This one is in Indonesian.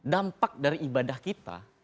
dampak dari ibadah kita